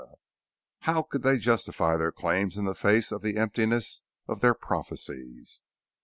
How could they justify their claims in the face of the emptiness of their prophecies?